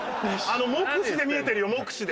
目視で見えてるよ目視で。